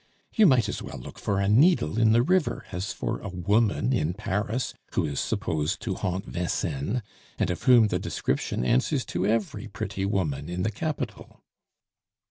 You might as well look for a needle in the river as for a woman in Paris, who is supposed to haunt Vincennes, and of whom the description answers to every pretty woman in the capital."